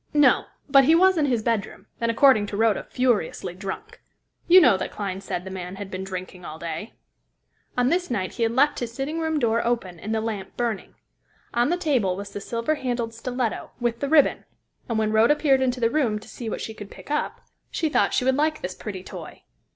"No; but he was in his bedroom, and, according to Rhoda, furiously drunk. You know that Clyne said the man had been drinking all day. On this night he had left his sitting room door open, and the lamp burning. On the table was the silver handled stiletto, with the ribbon; and when Rhoda peered into the room to see what she could pick up, she thought she would like this pretty toy.